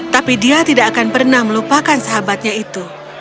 tapi dia tidak akan pernah melupakan sahabatnya itu